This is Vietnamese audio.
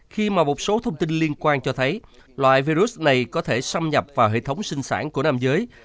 khi mà một số thông tin liên quan cho thấy loại virus này có thể xâm nhập vào hệ thống sinh sản của nam giới